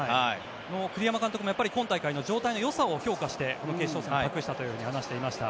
栗山監督も今大会の状態のよさを評価して決勝戦を託したと話していました。